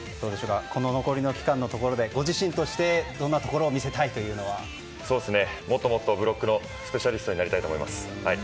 この残りの期間のところでご自身としてどんなところをもっともっとブロックのスペシャリストになりたいと思います。